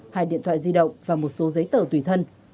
hai điện thoại di động và một số giấy tờ tùy thân